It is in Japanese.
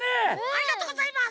ありがとうございます。